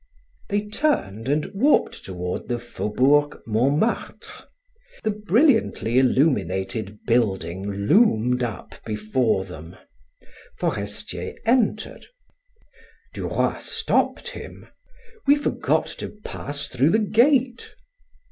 They turned and walked toward the Faubourg Montmartre. The brilliantly illuminated building loomed up before them. Forestier entered, Duroy stopped him. "We forgot to pass through the gate."